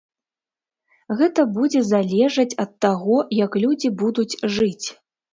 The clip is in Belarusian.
Гэта будзе залежаць ад таго, як людзі будуць жыць.